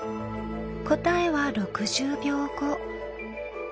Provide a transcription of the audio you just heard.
答えは６０秒後。